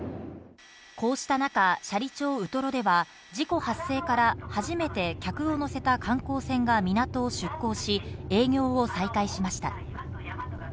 こうした中、斜里町ウトロでは事故発生から初めて客を乗せた観光船が港を出航し、営業を再開しました。